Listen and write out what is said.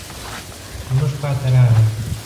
زموږ خواته راغی.